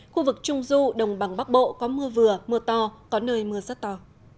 khu vực trung du đồng bằng bắc bộ có mưa vừa mưa to có nơi mưa rất to